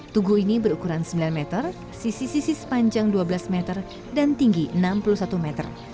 tugu ini berukuran sembilan meter sisi sisi sepanjang dua belas meter dan tinggi enam puluh satu meter